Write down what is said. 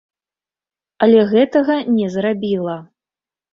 Але гэтага не зрабіла.